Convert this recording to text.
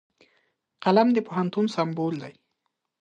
قلم د پوهنتون سمبول دی